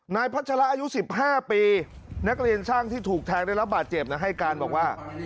พัชระอายุ๑๕ปีนักเรียนช่างที่ถูกแทงได้รับบาดเจ็บนะให้การบอกว่า